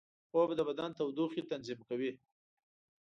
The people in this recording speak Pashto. خوب د بدن تودوخې تنظیم کوي